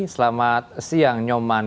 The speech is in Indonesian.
selamat siang nyoman